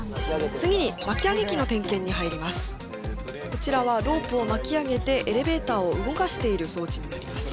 こちらはロープを巻き上げてエレベーターを動かしている装置になります。